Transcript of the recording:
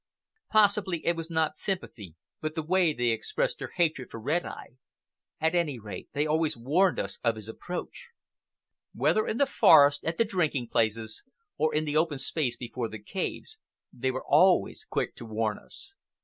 Possibly it was not sympathy but the way they expressed their hatred for Red Eye; at any rate they always warned us of his approach. Whether in the forest, at the drinking places, or in the open space before the caves, they were always quick to warn us.